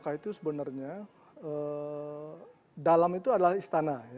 istana dalam loka itu sebenarnya dalam itu adalah istana